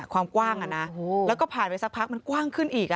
ความกว้างแล้วก็ผ่านไปสักพักมันกว้างขึ้นอีก